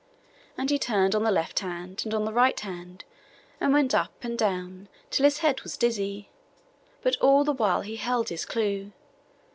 And he turned on the left hand, and on the right hand, and went up and down, till his head was dizzy; but all the while he held his clue.